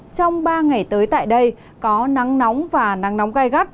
trong ba ngày tới tại đây có nắng nóng và nắng nóng gai gắt